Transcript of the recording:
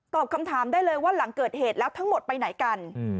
คำถามได้เลยว่าหลังเกิดเหตุแล้วทั้งหมดไปไหนกัน